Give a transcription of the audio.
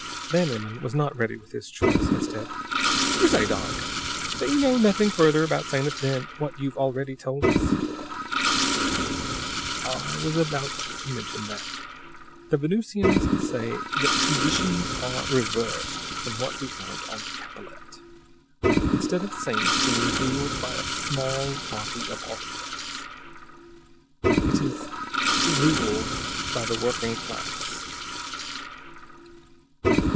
Van Emmon was not ready with his choice. Instead: "You say, doc, that you know nothing further about Sanus than what you've already told us?" "I was about to mention that. The Venusians say that conditions are reversed from what we found on Capellette. Instead of Sanus being ruled by a small body of autocrats, it is ruled by the working class!"